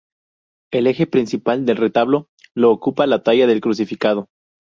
El eje principal del retablo lo ocupa la talla del Crucificado.